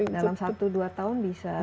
dalam satu dua tahun bisa